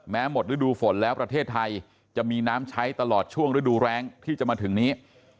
หมดฤดูฝนแล้วประเทศไทยจะมีน้ำใช้ตลอดช่วงฤดูแรงที่จะมาถึงนี้